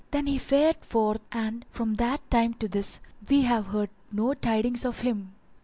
Then he fared forth and from that time to this we have heard no tidings of him."